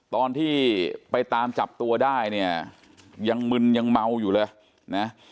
ตอนที่ไปตามจับตัวได้เนี่ยยังมึนยังเมาอยู่เลยนะ